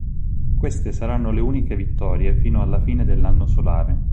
Queste saranno le uniche vittorie fino alla fine dell'anno solare.